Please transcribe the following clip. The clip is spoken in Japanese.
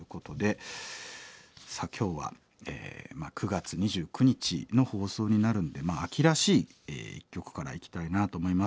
さあ今日は９月２９日の放送になるんでまあ秋らしい一曲からいきたいなあと思います。